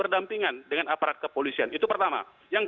dampingan dengan aparat kepolisian itu pertama